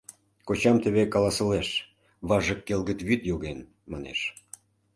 Кочам теве каласылеш: важык келгыт вӱд йоген, манеш...